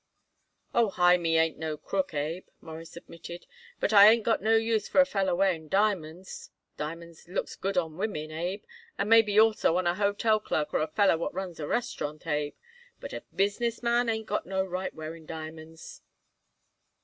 "Oh, Hymie ain't no crook, Abe," Morris admitted, "but I ain't got no use for a feller wearing diamonds. Diamonds looks good on women, Abe, and maybe also on a hotel clerk or a feller what runs a restaurant, Abe, but a business man ain't got no right wearing diamonds."